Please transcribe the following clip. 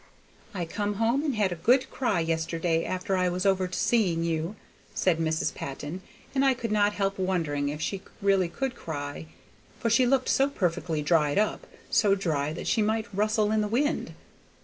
"I come home and had a good cry yesterday after I was over to see you," said Mrs. Patton, and I could not help wondering if she really could cry, for she looked so perfectly dried up, so dry that she might rustle in the wind.